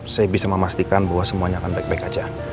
saya bisa memastikan bahwa semuanya akan baik baik saja